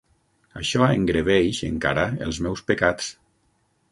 Això engreveix encara els meus pecats.